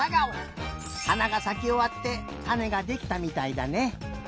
はながさきおわってたねができたみたいだね。